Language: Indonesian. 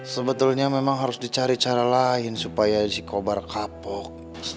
sebetulnya memang harus dicari cara lain supaya dikobar kapok